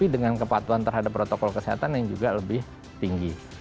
dengan kepatuhan terhadap protokol kesehatan yang juga lebih tinggi